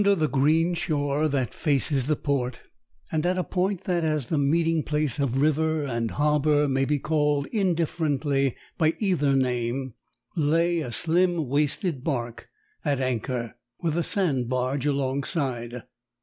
Under the green shore that faces the port, and at a point that, as the meeting place of river and harbour, may be called indifferently by either name, lay a slim waisted barque at anchor, with a sand barge alongside.